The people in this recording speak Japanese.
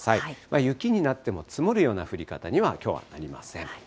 雪になっても積もるような降り方にはきょうはなりません。